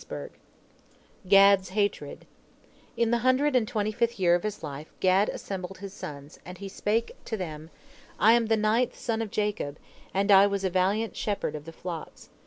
GAD'S HATRED In the hundred and twenty fifth year of his life Gad assembled his sons, and he spake to them: "I am the ninth son of Jacob, and I was a valiant shepherd of the flocks.